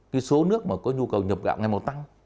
cái số nước mà có nhu cầu nhập gạo ngày một tăng